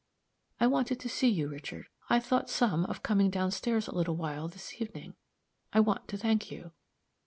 I wanted to see you, Richard. I thought some of coming down stairs a little while this evening. I want to thank you."